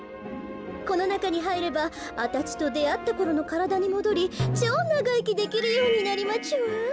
このなかにはいればあたちとであったころのからだにもどりちょうながいきできるようになりまちゅわん。